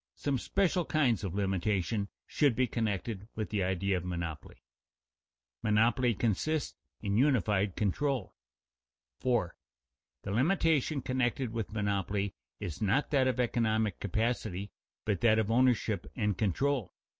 Some special kinds of limitation should be connected with the idea of monopoly. [Sidenote: Monopoly consists in unified control] 4. _The limitation connected with monopoly is not that of economic capacity but that of ownership and control.